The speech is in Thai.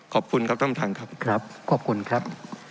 ขอบคุณครับท่านประธานครับครับขอบคุณครับ